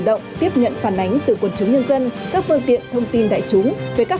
đặc biệt là công tác tuần tra đặc biệt là công tác tuần tra